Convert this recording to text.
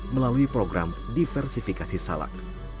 melalui program diversifikasi salak